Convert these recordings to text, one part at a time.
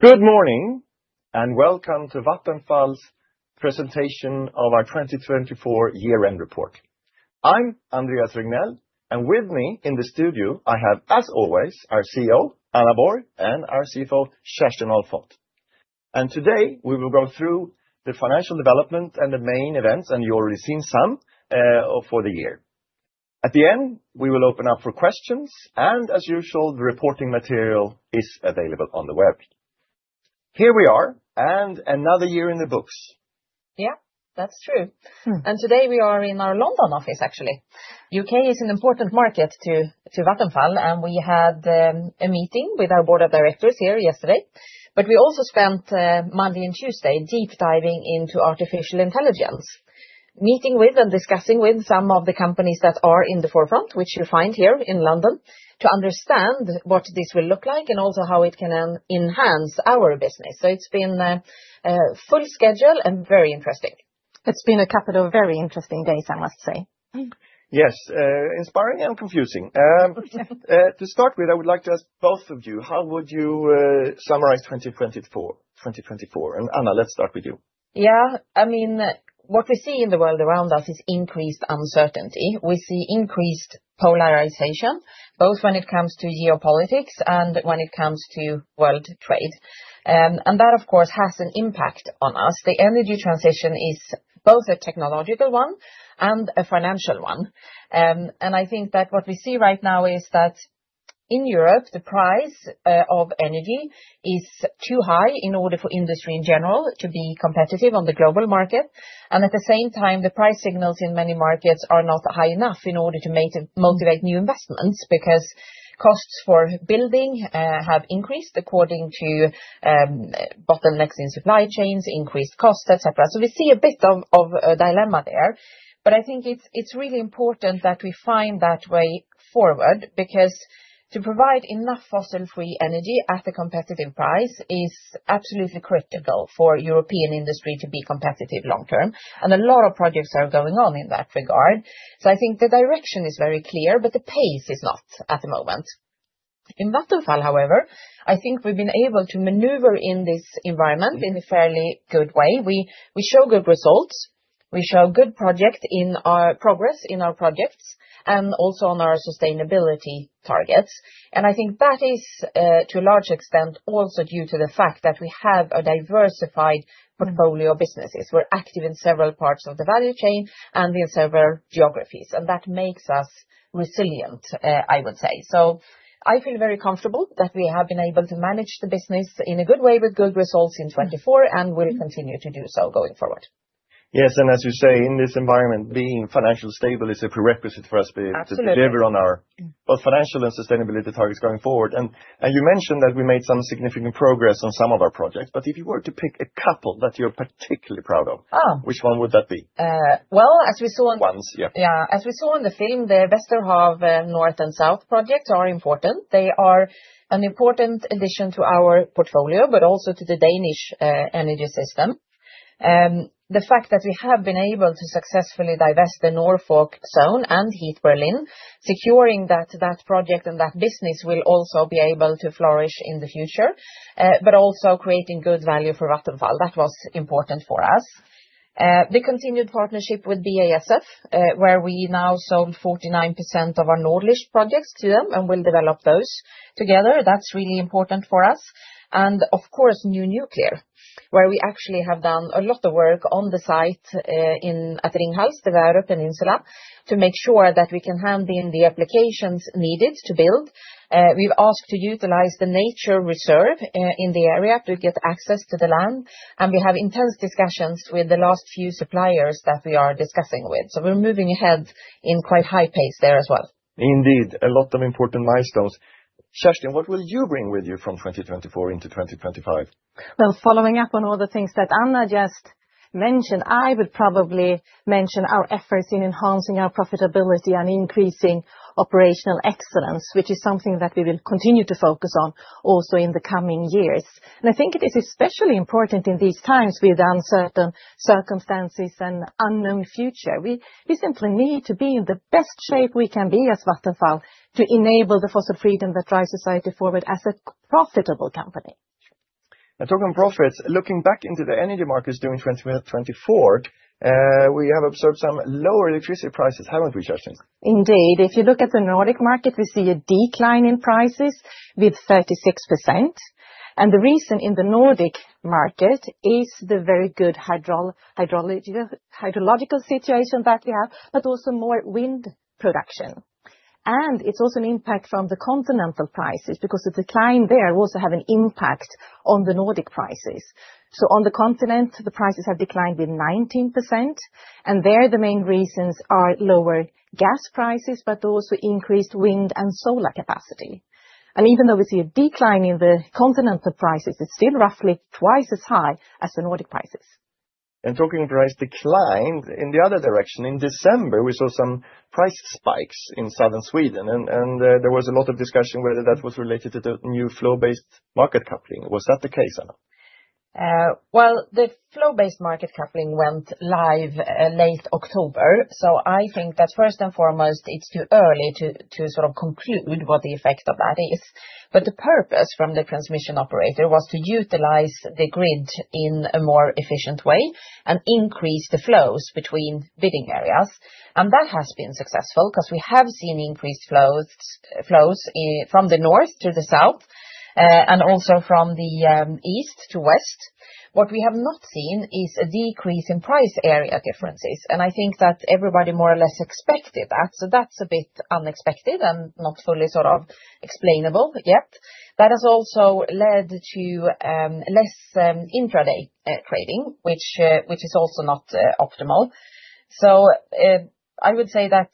Good morning and welcome to Vattenfall's presentation of our 2024 year-end report. I'm Andreas Regnell, and with me in the studio, I have, as always, our CEO, Anna Borg, and our CFO, Kerstin Ahlfont. Today we will go through the financial development and the main events, and you've already seen some for the year. At the end, we will open up for questions, and as usual, the reporting material is available on the web. Here we are, and another year in the books. Yeah, that's true. Today we are in our London office, actually. The U.K. is an important market to Vattenfall, and we had a meeting with our board of directors here yesterday. We also spent Monday and Tuesday deep diving into artificial intelligence, meeting with and discussing with some of the companies that are in the forefront, which you find here in London, to understand what this will look like and also how it can enhance our business. It has been full schedule and very interesting. It has been a couple of very interesting days, I must say. Yes, inspiring and confusing. To start with, I would like to ask both of you, how would you summarize 2024? Anna, let's start with you. Yeah, I mean, what we see in the world around us is increased uncertainty. We see increased polarization, both when it comes to geopolitics and when it comes to world trade. That, of course, has an impact on us. The energy transition is both a technological one and a financial one. I think that what we see right now is that in Europe, the price of energy is too high in order for industry in general to be competitive on the global market. At the same time, the price signals in many markets are not high enough in order to motivate new investments because costs for building have increased according to bottlenecks in supply chains, increased costs, etc. We see a bit of a dilemma there. I think it's really important that we find that way forward because to provide enough fossil-free energy at a competitive price is absolutely critical for European industry to be competitive long-term. A lot of projects are going on in that regard. I think the direction is very clear, but the pace is not at the moment. In Vattenfall, however, I think we've been able to maneuver in this environment in a fairly good way. We show good results. We show good progress in our projects and also on our sustainability targets. I think that is to a large extent also due to the fact that we have a diversified portfolio of businesses. We're active in several parts of the value chain and in several geographies, and that makes us resilient, I would say. I feel very comfortable that we have been able to manage the business in a good way with good results in 2024, and we'll continue to do so going forward. Yes, as you say, in this environment, being financially stable is a prerequisite for us to deliver on our both financial and sustainability targets going forward. You mentioned that we made some significant progress on some of our projects, but if you were to pick a couple that you're particularly proud of, which one would that be? As we saw on the film, the Vesterhav North and South projects are important. They are an important addition to our portfolio, but also to the Danish energy system. The fact that we have been able to successfully divest the Norfolk Zone and Heat Berlin, securing that project and that business will also be able to flourish in the future, but also creating good value for Vattenfall, that was important for us. The continued partnership with BASF, where we now sold 49% of our Nordlicht projects to them and will develop those together, that's really important for us. Of course, new nuclear, where we actually have done a lot of work on the site at Ringhals, the Värö Peninsula, to make sure that we can hand in the applications needed to build. We've asked to utilize the nature reserve in the area to get access to the land, and we have intense discussions with the last few suppliers that we are discussing with. We are moving ahead in quite high pace there as well. Indeed, a lot of important milestones. Kerstin, what will you bring with you from 2024 into 2025? Following up on all the things that Anna just mentioned, I would probably mention our efforts in enhancing our profitability and increasing operational excellence, which is something that we will continue to focus on also in the coming years. I think it is especially important in these times with uncertain circumstances and an unknown future. We simply need to be in the best shape we can be as Vattenfall to enable the fossil freedom that drives society forward as a profitable company. Talking profits, looking back into the energy markets during 2024, we have observed some lower electricity prices, haven't we, Kerstin? Indeed. If you look at the Nordic market, we see a decline in prices with 36%. The reason in the Nordic market is the very good hydrological situation that we have, but also more wind production. It is also an impact from the continental prices because the decline there also has an impact on the Nordic prices. On the continent, the prices have declined with 19%. There the main reasons are lower gas prices, but also increased wind and solar capacity. Even though we see a decline in the continental prices, it is still roughly twice as high as the Nordic prices. Talking price decline in the other direction, in December, we saw some price spikes in southern Sweden, and there was a lot of discussion whether that was related to the new Flow-Based Market Coupling. Was that the case, Anna? The Flow-Based Market Coupling went live late October. I think that first and foremost, it's too early to sort of conclude what the effect of that is. The purpose from the transmission operator was to utilize the grid in a more efficient way and increase the flows between bidding areas. That has been successful because we have seen increased flows from the north to the south and also from the east to west. What we have not seen is a decrease in price area differences. I think that everybody more or less expected that. That's a bit unexpected and not fully sort of explainable yet. That has also led to less intraday trading, which is also not optimal. I would say that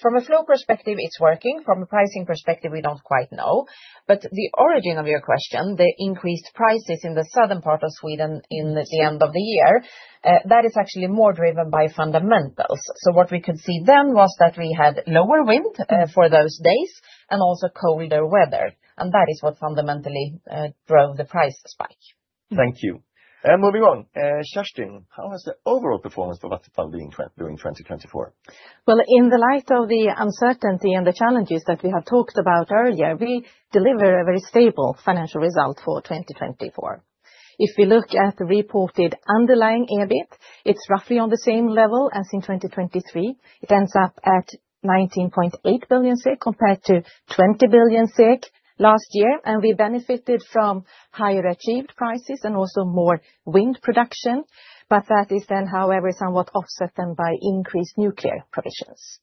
from a flow perspective, it's working. From a pricing perspective, we don't quite know. The origin of your question, the increased prices in the southern part of Sweden in the end of the year, that is actually more driven by fundamentals. What we could see then was that we had lower wind for those days and also colder weather. That is what fundamentally drove the price spike. Thank you. Moving on, Kerstin, how has the overall performance for Vattenfall been during 2024? In the light of the uncertainty and the challenges that we have talked about earlier, we deliver a very stable financial result for 2024. If we look at the reported underlying EBIT, it is roughly on the same level as in 2023. It ends up at 19.8 billion compared to 20 billion last year. We benefited from higher achieved prices and also more wind production. That is, however, somewhat offset by increased nuclear provisions.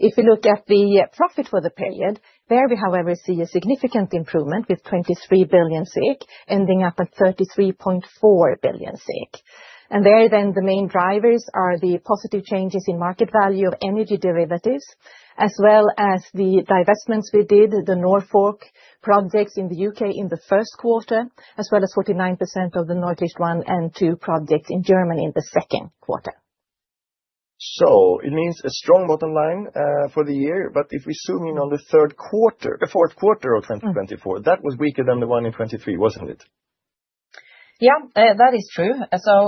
If we look at the profit for the period, there we, however, see a significant improvement with 23 billion, ending up at 33.4 billion. There then the main drivers are the positive changes in market value of energy derivatives, as well as the divestments we did, the Norfolk projects in the U.K. in the first quarter, as well as 49% of the Nordlicht 1 and Nordlicht 2 projects in Germany in the second quarter. It means a strong bottom line for the year. If we zoom in on the third quarter, the fourth quarter of 2024, that was weaker than the one in 2023, was it not? Yeah, that is true.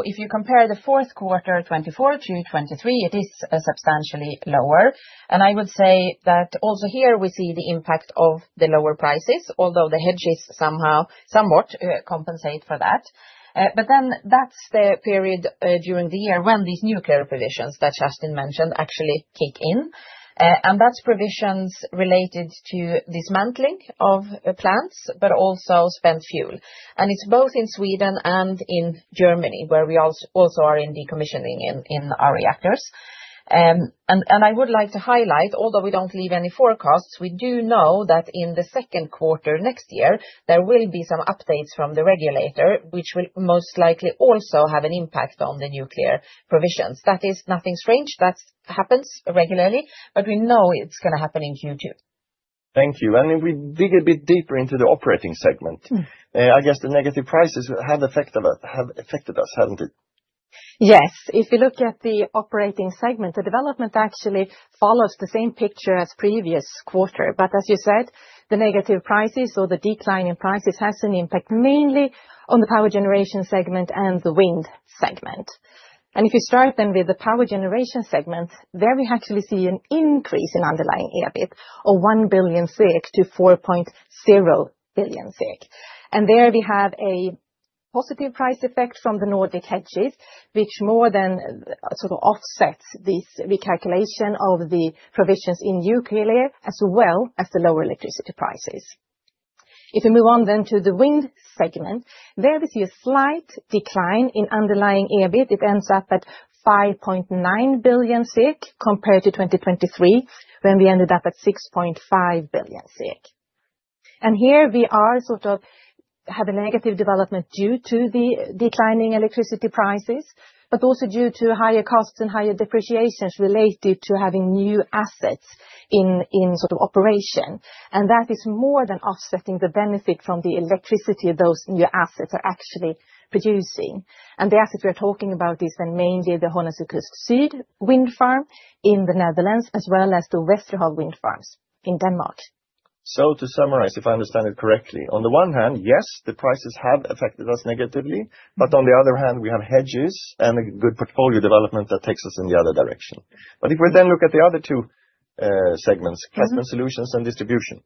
If you compare the fourth quarter 2024 to 2023, it is substantially lower. I would say that also here we see the impact of the lower prices, although the hedges somehow somewhat compensate for that. That is the period during the year when these nuclear provisions that Kerstin mentioned actually kick in. That is provisions related to dismantling of plants, but also spent fuel. It is both in Sweden and in Germany, where we also are in decommissioning in our reactors. I would like to highlight, although we do not leave any forecasts, we do know that in the second quarter next year, there will be some updates from the regulator, which will most likely also have an impact on the nuclear provisions. That is nothing strange. That happens regularly, but we know it is going to happen in Q2. Thank you. If we dig a bit deeper into the operating segment, I guess the negative prices have affected us, haven't they? Yes. If we look at the operating segment, the development actually follows the same picture as previous quarter. As you said, the negative prices or the decline in prices has an impact mainly on the power generation segment and the wind segment. If you start then with the power generation segment, there we actually see an increase in underlying EBIT of 1 billion SEK to 4.0 billion SEK. There we have a positive price effect from the Nordic hedges, which more than sort of offsets this recalculation of the provisions in nuclear as well as the lower electricity prices. If we move on then to the wind segment, there we see a slight decline in underlying EBIT. It ends up at 5.9 billion compared to 2023, when we ended up at 6.5 billion. Here we are sort of have a negative development due to the declining electricity prices, but also due to higher costs and higher depreciations related to having new assets in sort of operation. That is more than offsetting the benefit from the electricity those new assets are actually producing. The assets we are talking about is then mainly the Hollandse Kust Zuid wind farm in the Netherlands, as well as the Vesterhav wind farms in Denmark. To summarize, if I understand it correctly, on the one hand, yes, the prices have affected us negatively, but on the other hand, we have hedges and a good portfolio development that takes us in the other direction. If we then look at the other two segments, customer solutions and distribution.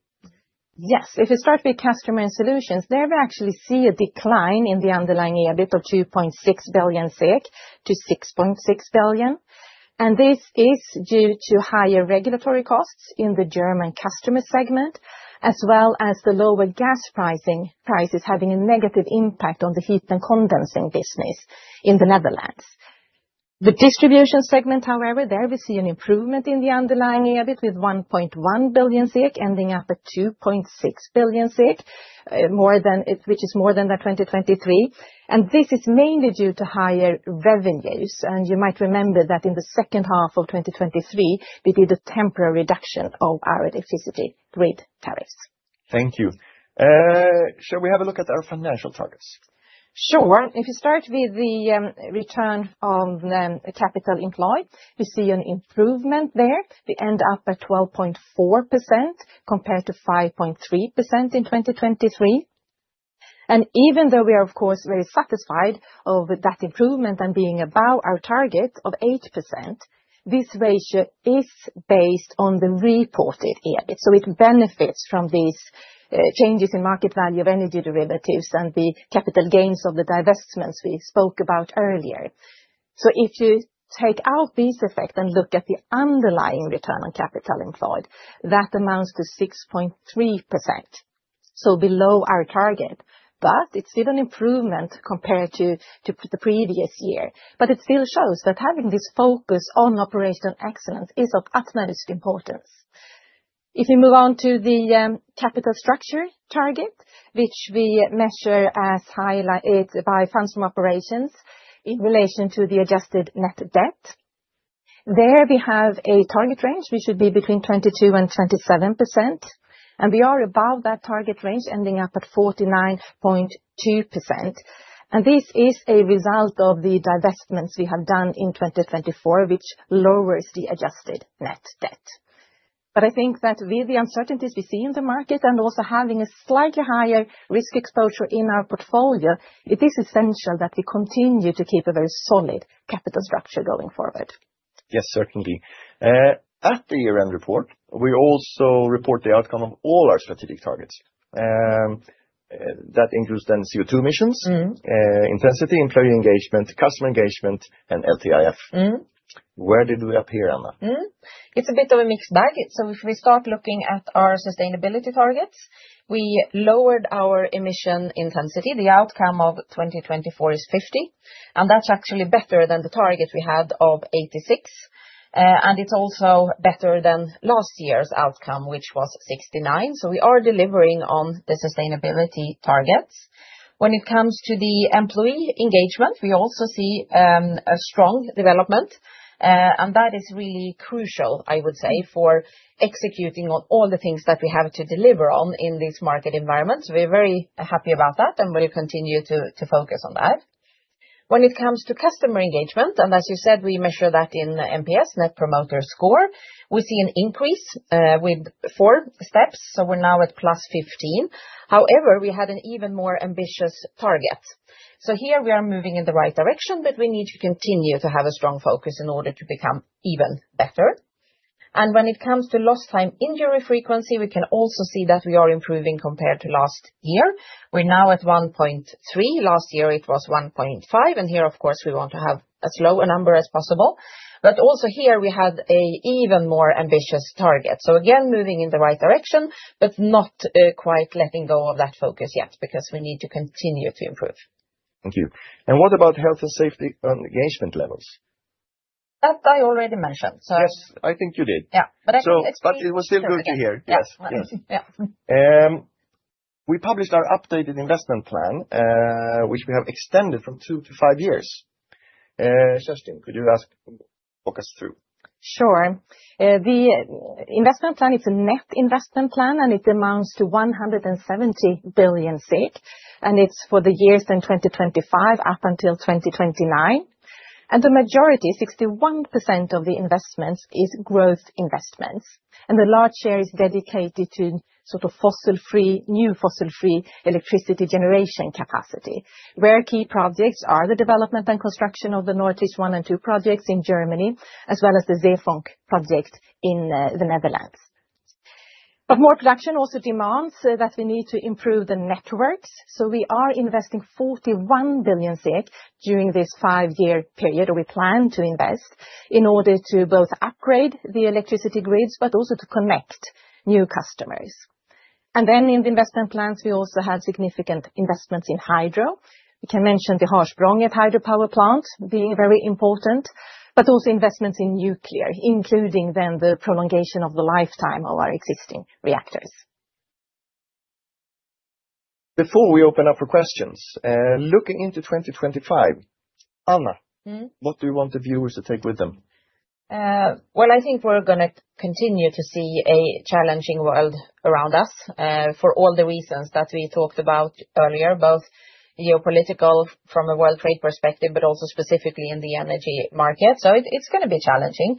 Yes, if we start with customer solutions, there we actually see a decline in the underlying EBIT of 2.6 billion SEK to 6.6 billion. This is due to higher regulatory costs in the German customer segment, as well as the lower gas prices having a negative impact on the heat and condensing business in the Netherlands. The distribution segment, however, there we see an improvement in the underlying EBIT with 1.1 billion, ending up at 2.6 billion, which is more than that 2023. This is mainly due to higher revenues. You might remember that in the second half of 2023, we did a temporary reduction of our electricity grid tariffs. Thank you. Shall we have a look at our financial targets? Sure. If you start with the return on capital employed, we see an improvement there. We end up at 12.4% compared to 5.3% in 2023. Even though we are, of course, very satisfied with that improvement and being above our target of 8%, this ratio is based on the reported EBIT. It benefits from these changes in market value of energy derivatives and the capital gains of the divestments we spoke about earlier. If you take out these effects and look at the underlying return on capital employed, that amounts to 6.3%. Below our target, but it's still an improvement compared to the previous year. It still shows that having this focus on operational excellence is of utmost importance. If we move on to the capital structure target, which we measure as highlighted by funds from operations in relation to the adjusted net debt, there we have a target range which should be between 22-27%. We are above that target range, ending up at 49.2%. This is a result of the divestments we have done in 2024, which lowers the adjusted net debt. I think that with the uncertainties we see in the market and also having a slightly higher risk exposure in our portfolio, it is essential that we continue to keep a very solid capital structure going forward. Yes, certainly. At the year-end report, we also report the outcome of all our strategic targets. That includes then CO2 emissions intensity, employee engagement, customer engagement, and LTIF. Where did we appear, Anna? It's a bit of a mixed bag. If we start looking at our sustainability targets, we lowered our emission intensity. The outcome of 2024 is 50. That's actually better than the target we had of 86. It's also better than last year's outcome, which was 69. We are delivering on the sustainability targets. When it comes to the employee engagement, we also see a strong development. That is really crucial, I would say, for executing on all the things that we have to deliver on in this market environment. We're very happy about that and will continue to focus on that. When it comes to customer engagement, and as you said, we measure that in NPS, Net Promoter Score, we see an increase with four steps. We're now at plus 15. However, we had an even more ambitious target. Here we are moving in the right direction, but we need to continue to have a strong focus in order to become even better. When it comes to Lost Time Injury Frequency, we can also see that we are improving compared to last year. We are now at 1.3. Last year it was 1.5. Here, of course, we want to have as low a number as possible. Also here we had an even more ambitious target. Again, moving in the right direction, but not quite letting go of that focus yet because we need to continue to improve. Thank you. What about health and safety engagement levels? That I already mentioned. Yes, I think you did. Yeah, I can't explain. It was still good to hear. Yeah, yeah. We published our updated investment plan, which we have extended from two to five years. Kerstin, could you ask to walk us through? Sure. The investment plan, it's a net investment plan and it amounts to 170 billion. It is for the years 2025 up until 2029. The majority, 61% of the investments, is growth investments. A large share is dedicated to sort of fossil-free, new fossil-free electricity generation capacity. Key projects are the development and construction of the Nordlicht 1 and Nordlicht 2 projects in Germany, as well as the Zeevonk project in the Netherlands. More production also demands that we need to improve the networks. We are investing 41 billion during this five-year period, or we plan to invest, in order to both upgrade the electricity grids but also to connect new customers. In the investment plans, we also have significant investments in hydro. We can mention the Harsprånget Hydropower Plant being very important, but also investments in nuclear, including then the prolongation of the lifetime of our existing reactors. Before we open up for questions, looking into 2025, Anna, what do you want the viewers to take with them? I think we're going to continue to see a challenging world around us for all the reasons that we talked about earlier, both geopolitical from a world trade perspective, but also specifically in the energy market. It is going to be challenging.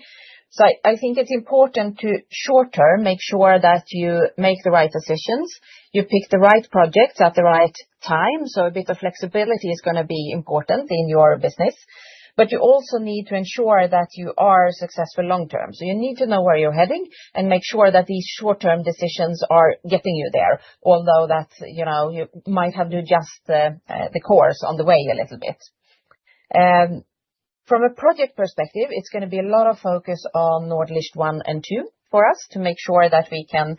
I think it's important to short-term make sure that you make the right decisions, you pick the right projects at the right time. A bit of flexibility is going to be important in your business. You also need to ensure that you are successful long-term. You need to know where you're heading and make sure that these short-term decisions are getting you there, although you might have to adjust the course on the way a little bit. From a project perspective, it's going to be a lot of focus on Nordlicht 1 and Nordlicht 2 for us to make sure that we can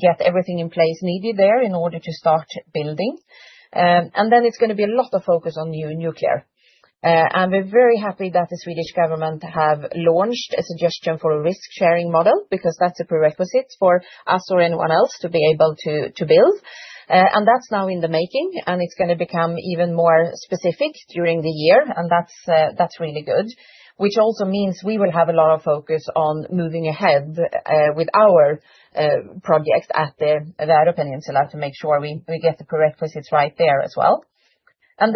get everything in place needed there in order to start building. There is going to be a lot of focus on new nuclear. We are very happy that the Swedish government have launched a suggestion for a risk-sharing model because that's a prerequisite for us or anyone else to be able to build. That is now in the making and it is going to become even more specific during the year. That is really good, which also means we will have a lot of focus on moving ahead with our projects at the Värö Peninsula to make sure we get the prerequisites right there as well. I'm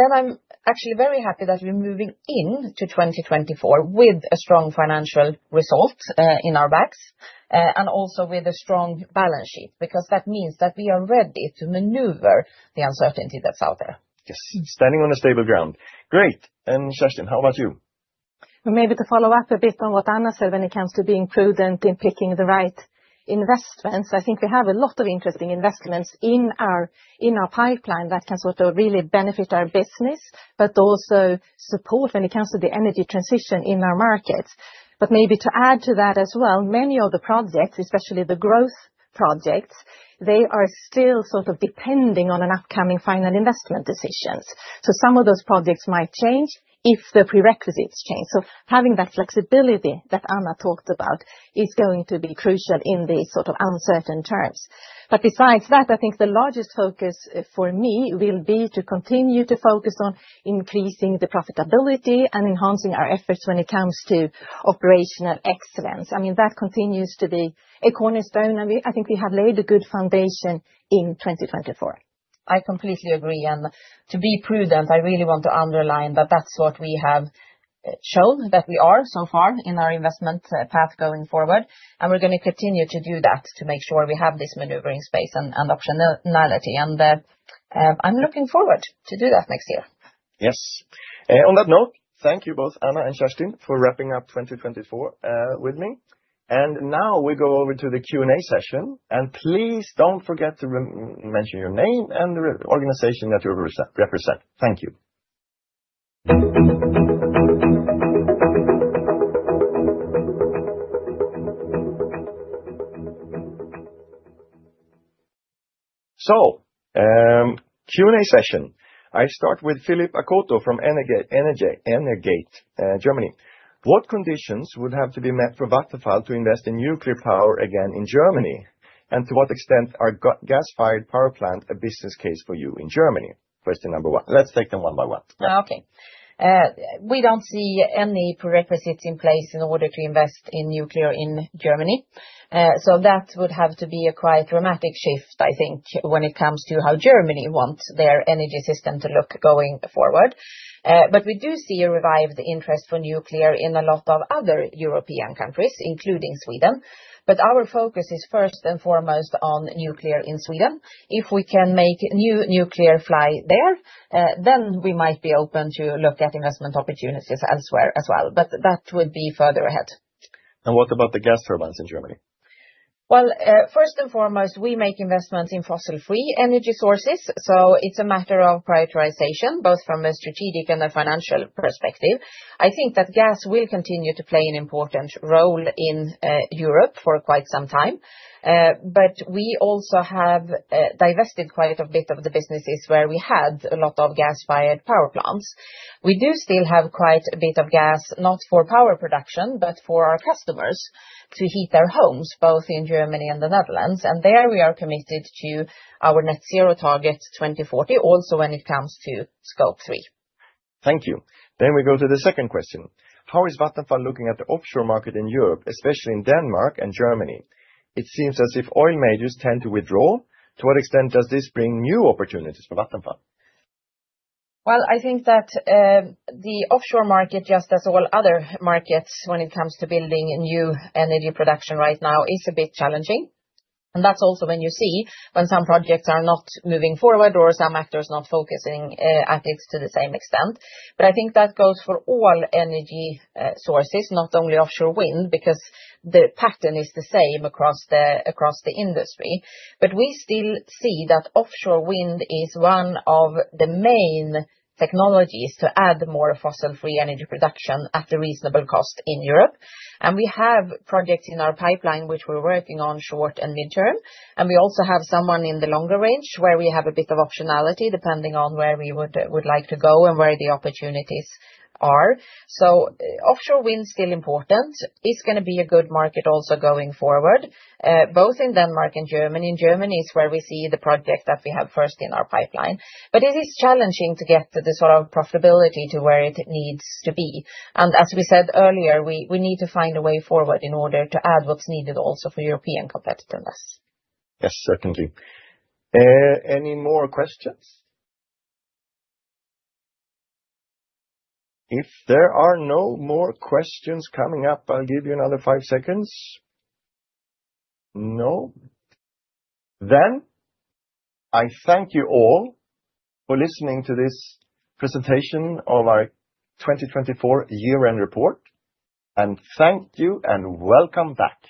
actually very happy that we're moving into 2024 with a strong financial result in our bags and also with a strong balance sheet because that means that we are ready to maneuver the uncertainty that's out there. Yes, standing on a stable ground. Great. And Kerstin, how about you? Maybe to follow up a bit on what Anna said when it comes to being prudent in picking the right investments. I think we have a lot of interesting investments in our pipeline that can sort of really benefit our business, but also support when it comes to the energy transition in our markets. Maybe to add to that as well, many of the projects, especially the growth projects, they are still sort of depending on an upcoming final investment decisions. Some of those projects might change if the prerequisites change. Having that flexibility that Anna talked about is going to be crucial in these sort of uncertain terms. Besides that, I think the largest focus for me will be to continue to focus on increasing the profitability and enhancing our efforts when it comes to operational excellence. I mean, that continues to be a cornerstone and I think we have laid a good foundation in 2024. I completely agree. To be prudent, I really want to underline that that's what we have shown, that we are so far in our investment path going forward. We're going to continue to do that to make sure we have this maneuvering space and optionality. I'm looking forward to do that next year. Yes. On that note, thank you both, Anna and Kerstin, for wrapping up 2024 with me. Now we go over to the Q&A session. Please do not forget to mention your name and the organization that you represent. Thank you. Q&A session. I start with Philipp Akoto from Energate Germany. What conditions would have to be met for Vattenfall to invest in nuclear power again in Germany? To what extent are gas-fired power plants a business case for you in Germany? Question number one. Let's take them one by one. Okay. We do not see any prerequisites in place in order to invest in nuclear in Germany. That would have to be a quite dramatic shift, I think, when it comes to how Germany wants their energy system to look going forward. We do see a revived interest for nuclear in a lot of other European countries, including Sweden. Our focus is first and foremost on nuclear in Sweden. If we can make new nuclear fly there, then we might be open to look at investment opportunities elsewhere as well. That would be further ahead. What about the gas turbines in Germany? First and foremost, we make investments in fossil-free energy sources. It is a matter of prioritization, both from a strategic and a financial perspective. I think that gas will continue to play an important role in Europe for quite some time. We also have divested quite a bit of the businesses where we had a lot of gas-fired power plants. We do still have quite a bit of gas, not for power production, but for our customers to heat their homes, both in Germany and the Netherlands. There we are committed to our net zero target 2040, also when it comes to Scope 3. Thank you. We go to the second question. How is Vattenfall looking at the offshore market in Europe, especially in Denmark and Germany? It seems as if oil majors tend to withdraw. To what extent does this bring new opportunities for Vattenfall? I think that the offshore market, just as all other markets when it comes to building new energy production right now, is a bit challenging. That is also when you see when some projects are not moving forward or some actors not focusing at it to the same extent. I think that goes for all energy sources, not only offshore wind, because the pattern is the same across the industry. We still see that offshore wind is one of the main technologies to add more fossil-free energy production at a reasonable cost in Europe. We have projects in our pipeline which we are working on short and midterm. We also have some in the longer range where we have a bit of optionality depending on where we would like to go and where the opportunities are. Offshore wind is still important. It's going to be a good market also going forward, both in Denmark and Germany. In Germany is where we see the project that we have first in our pipeline. It is challenging to get the sort of profitability to where it needs to be. As we said earlier, we need to find a way forward in order to add what's needed also for European competitiveness. Yes, certainly. Any more questions? If there are no more questions coming up, I'll give you another five seconds. No? I thank you all for listening to this presentation of our 2024 year-end report. Thank you and welcome back.